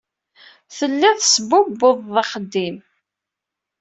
Telliḍ tesbubbuḍeḍ axeddim.